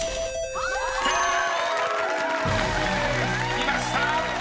［きました！］